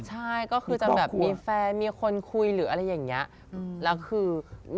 ใช่ก็คือก็มีแฟนมีคนคุยมีก๊อกเกอร์